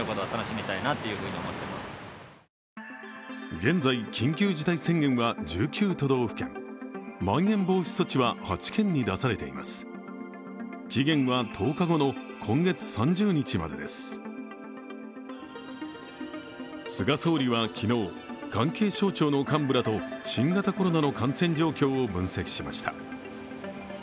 現在、緊急事態宣言は１９都道府県菅総理は昨日関係省庁の幹部らと新型コロナの感染状況を分析しました。